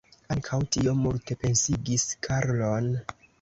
Ankaŭ tio multe pensigis Karlon.